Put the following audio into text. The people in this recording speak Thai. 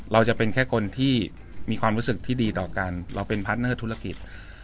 จะเป็นแค่คนที่มีความรู้สึกที่ดีต่อกันเราเป็นพาร์ทเนอร์ธุรกิจ